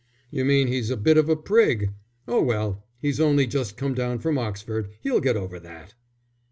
"You mean he's a bit of a prig. Oh, well, he's only just come down from Oxford. He'll get over that."